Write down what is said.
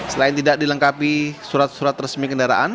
selain tidak dilengkapi surat surat resmi kendaraan